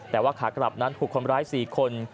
แต่ว่าขากลับนั้นถูกคนร้าย๔คน